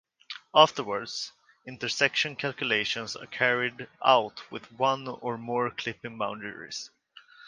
Afterwards, intersection calculations are carried out with one or more clipping boundaries.